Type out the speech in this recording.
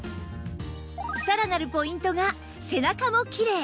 さらなるポイントが背中もきれい